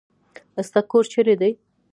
ستا کور چیرې دی؟